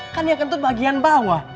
kan ya kentut bagian bawah